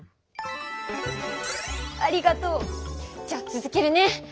ありがとう。じゃあつづけるね。